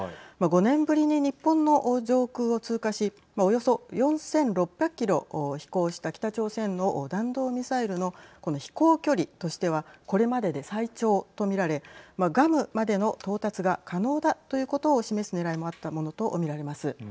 ５年ぶりに日本の上空を通過しおよそ４６００キロ飛行した北朝鮮の弾道ミサイルのこの飛行距離としてはこれまでで最長と見られグアムまでの到達が可能だということを示すねらいもあったものと見られます。